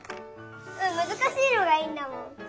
うんむずかしいのがいいんだもん。